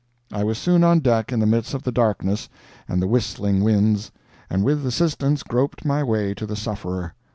I was soon on deck in the midst of the darkness and the whistling winds, and with assistance groped my way to the sufferer.